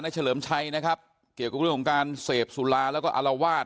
เฉลิมชัยนะครับเกี่ยวกับเรื่องของการเสพสุราแล้วก็อารวาส